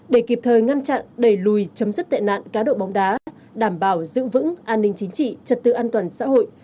để kịp thời ngăn chặn đẩy lùi chấm dứt tệ nạn cá độ bóng đá đảm bảo giữ vững an ninh chính trị trật tự an toàn xã hội